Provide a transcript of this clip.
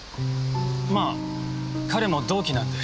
まあ彼も同期なんで。